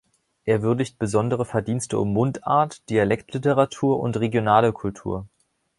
Er würdigt besondere Verdienste um Mundart, Dialektliteratur und regionale Kultur.